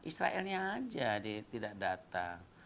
israelnya aja dia tidak datang